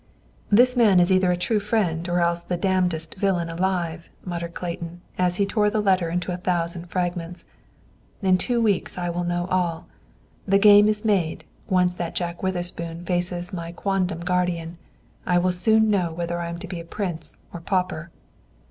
"This man is either a true friend or else the damnedest villain alive," muttered Clayton, as he tore the letter into a thousand fragments. "In two weeks I will know all. The game is made; once that Jack Witherspoon faces my quondam guardian, I will soon know whether I am to be prince or pauper."